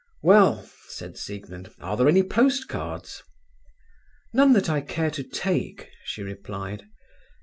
"Well," said Siegmund, "are there any postcards?" "None that I care to take," she replied.